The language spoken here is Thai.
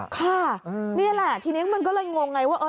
ค่ะนี่แหละทีนี้มันก็เลยงงไงว่า